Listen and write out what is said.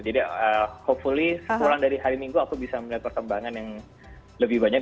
jadi hopefully sekurang dari hari minggu aku bisa melihat perkembangan yang lebih banyak